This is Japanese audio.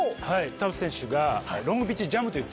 田臥選手が。